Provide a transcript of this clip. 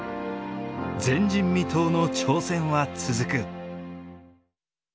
前人未到の挑戦は続く。